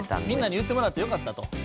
みんなに言ってもらってよかったと。